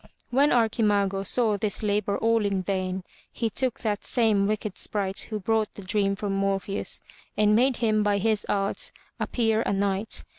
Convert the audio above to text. When Archi mago saw this labor all in vain, he took that same wicked sprite who brought the dream from Morpheus, and made him by his arts appear a knight.